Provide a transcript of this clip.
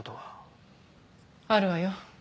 あるわよ。